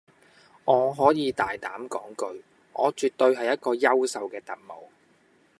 我可以大膽講句，我絕對係一個優秀嘅特務